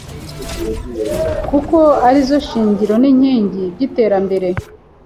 kuko ari zo shingiro n’inkingi by’iterambere